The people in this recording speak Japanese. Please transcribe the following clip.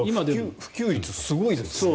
普及率、すごいですよね。